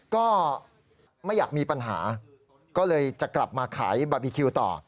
ก็ไม่อยากมีปัญหาก็เลยจะกลับมาขายบาร์บีคิวต่อ